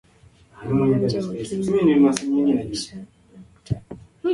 mgonjwa wa ukimwi anaweza kuharisha na kutapika